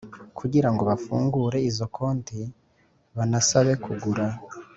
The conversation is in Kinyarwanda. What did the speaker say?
Kugira ngo bafungure izo konti banasabe kugura